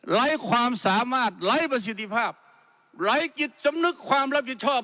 ไร้ความสามารถไร้ประสิทธิภาพไร้จิตสำนึกความรับผิดชอบ